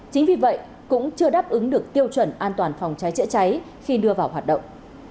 chính vì vậy cũng chưa đáp ứng được tiêu chuẩn an toàn phòng cháy chữa cháy khi đưa vào hoạt động